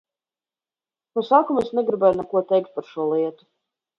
No sākuma es negribēju neko teikt par šo lietu.